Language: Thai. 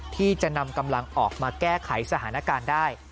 ที่จะนำกำลังออกมาแก้ไขสถานการณ์ได้